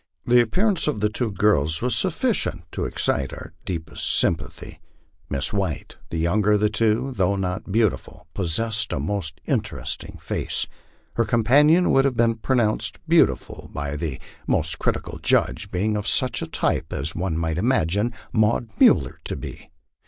The appearance of the two girls was sufficient to excite our deepest sympathy. Miss White, the younger of the two, though not beautiful, possessed a most in teresting face. Her companion would have been pronounced beautiful by the 11Y LIFE ON THE PLAINS. 251 most critical judge, being of such a type as one uiight imagine Maud Miiller to be.